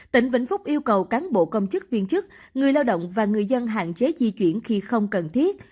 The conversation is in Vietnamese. tỉnh vĩnh phúc yêu cầu cán bộ công chức viên chức người lao động và người dân hạn chế di chuyển khi không cần thiết